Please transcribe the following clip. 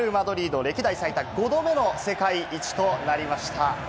歴代最多５度目の世界一となりました。